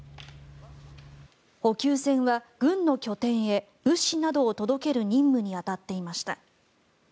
補給船は軍の拠点へ物資などを届ける任務に当たっていました。